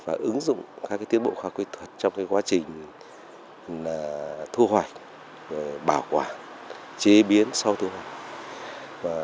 và ứng dụng các tiến bộ khoa kỹ thuật trong quá trình thu hoạch bảo quản chế biến sau thu hoạch